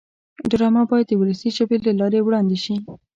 ډرامه باید د ولسي ژبې له لارې وړاندې شي